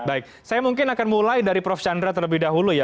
baik saya mungkin akan mulai dari prof chandra terlebih dahulu ya